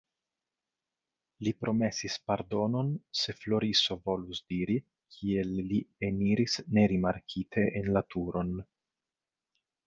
Li promesis pardonon, se Floriso volus diri, kiel li eniris nerimarkite en la turon.